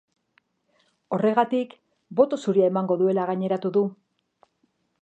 Horregatik, boto zuria emango duela gaineratu du.